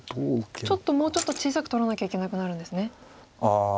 ちょっともうちょっと小さく取らなきゃいけなくなるんですね。